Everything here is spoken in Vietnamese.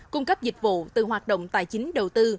cung cấp dịch vụ từ hoạt động tài chính đầu tư